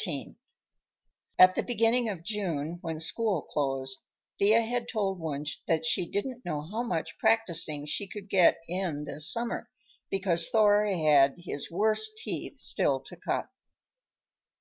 XIII At the beginning of June, when school closed, Thea had told Wunsch that she didn't know how much practicing she could get in this summer because Thor had his worst teeth still to cut.